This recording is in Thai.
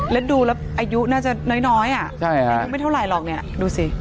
แล้วดูแล้วอายุน่าจะน้อยน้อยอ่ะใช่ค่ะไม่เท่าไรหรอกเนี่ยดูสิ